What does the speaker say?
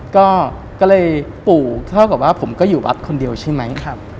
ก็เลยปู่เท่ากับว่าผมก็อยู่วัดคนเดียวใช่ไหม